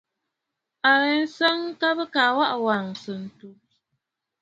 A yi nstsɔʼɔ ŋkabə kaa waʼà wàŋsə̀ ǹtu.